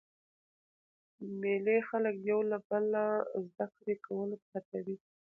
مېلې خلک یو له بله زده کړي کولو ته هڅوي.